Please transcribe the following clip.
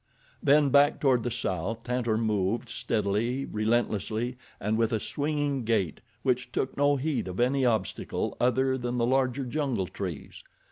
Then back toward the South Tantor moved, steadily, relentlessly, and with a swinging gait which took no heed of any obstacle other than the larger jungle trees.